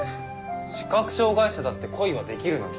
視覚障がい者だって恋はできるのに。